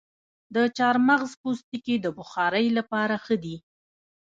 د چارمغز پوستکي د بخارۍ لپاره ښه دي؟